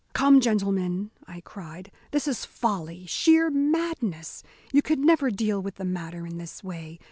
"Come, gentlemen," I cried, "this is folly, sheer madness. You can never deal with the matter in this way.